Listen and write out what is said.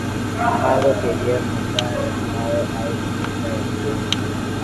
mango km makaa ya mawe au mafuta ya taa